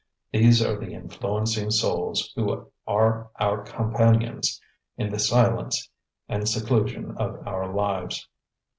These are the influencing souls who are our companions in the silence and seclusion of our lives.